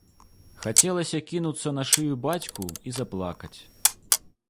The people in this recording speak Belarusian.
Хацелася кінуцца на шыю бацьку і заплакаць.